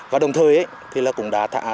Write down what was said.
và đồng thời tôi cũng đã tham mưu cho ubnd tỉnh